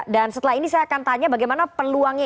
dan setelah ini saya akan tanya bagaimana peluangnya